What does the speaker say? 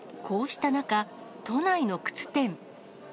こうした中、都内の靴店。